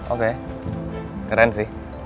oke keren sih